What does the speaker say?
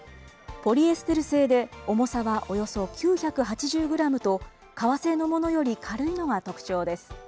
ポリエステル製で、重さはおよそ９８０グラムと、革製のものより軽いのが特長です。